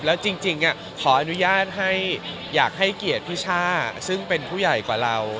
แล้วจริงขออนุญาตอยากให้เกียรติพี่ช่าซึ่งเป็นผู้ใหญ่กว่าเรา